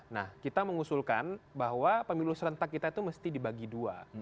nah kita mengusulkan bahwa pemilu serentak kita itu mesti dibagi dua